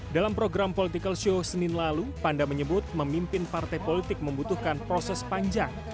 dalam program political show senin lalu panda menyebut memimpin partai politik membutuhkan proses panjang